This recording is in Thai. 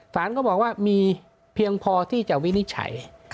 สารก็บอกว่ามีเพียงพอที่จะวินิจฉัย